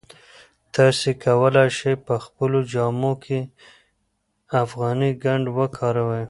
تاسي کولای شئ په خپلو جامو کې افغاني ګنډ وکاروئ.